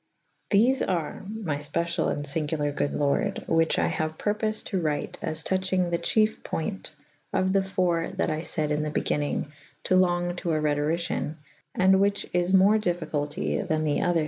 Thefe are my fpeciall and finguler goode Lorde whiche I haue purpofed to wryte as touchyng the cheyf poynt of Me .iiii. that I fayd in the begynnyng to long to a Rhetoricien / and which is more dif ficulty tha« the other